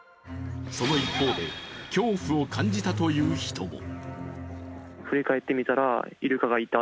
その一方で恐怖を感じたという人も。